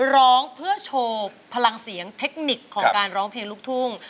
ร้องเพื่อโชว์พลังเสียงเทคนิคของการร้องเพลงลูกทุ่ง